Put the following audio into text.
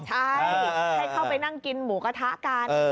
ใช่ให้เข้าไปนั่งกินหมูกระทะกัน